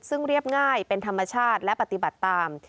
ซึ่งเรียบง่ายเป็นธรรมชาติและปฏิบัติตาม